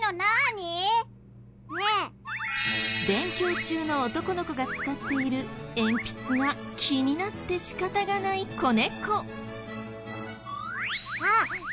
勉強中の男の子が使っている鉛筆が気になって仕方がない子猫。